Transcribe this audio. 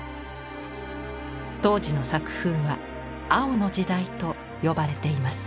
当時の作風は「青の時代」と呼ばれています。